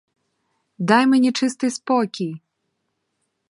Дай мені чистий спокій!